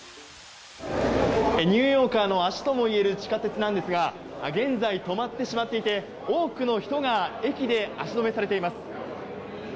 ニューヨーカーの足ともいえる地下鉄なんですが、現在、止まってしまっていて、多くの人が駅で足止めされています。